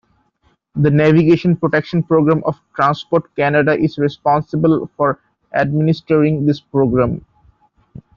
The Navigation Protection Program of Transport Canada is responsible for administering this program.